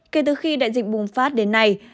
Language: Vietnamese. kể từ khi đại dịch bùng phát đến nay